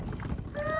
ああ！